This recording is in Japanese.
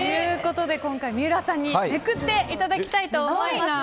今回、三浦さんにめくっていただきたいと思います。